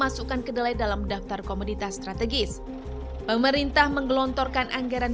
masukkan kedelai dalam daftar komoditas strategis pemerintah menggelontorkan anggaran